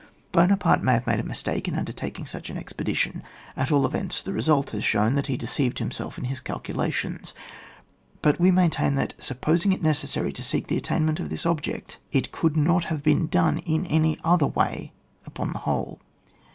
Buonaparte may have made a mistake in undertaking such an expedition ; at all events, the result has shown that he deceived him self in his calculations, but we maintain that, supposing it necessary to seek the attainment of this object, it could not have been done in any ol^er way upon the whole.